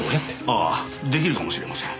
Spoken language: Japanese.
ああ出来るかもしれません。